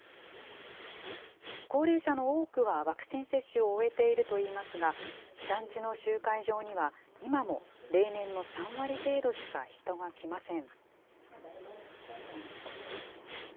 高齢者の多くはワクチン接種を終えているといいますが、団地の集会場には、今も例年の３割程度しか人が来ません。